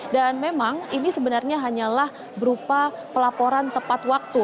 dan memang ini sebenarnya hanyalah berupa pelaporan tepat waktu